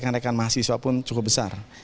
rekan mahasiswa pun cukup besar